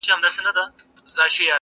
آسمانه ما خو داسي نه ویله؛